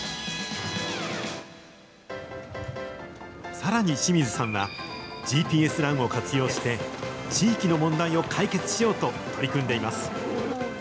さらに志水さんは、ＧＰＳランを活用して、地域の問題を解決しようと取り組んでいます。